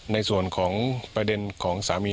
ในส่วนของประเด็นของสามี